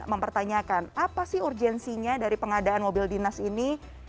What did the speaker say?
mempertanyakan apa sih urgensinya dari pengadaan mobil dinas ini